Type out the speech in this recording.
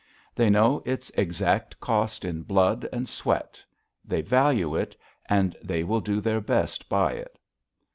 They know its exact cost in blood and sweat. They value it. And they will do their best by it.